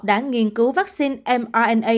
đã nghiên cứu vaccine mrna